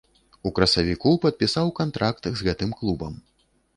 У красавіку падпісаў кантракт з гэтым клубам.